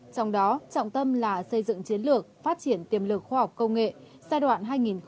trong đó trọng tâm là xây dựng chiến lược phát triển tiềm lực khoa học công nghệ giai đoạn